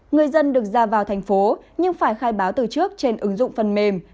người dân được ra vào thành phố nhưng phải khai báo từ trước trên ứng dụng phần mềm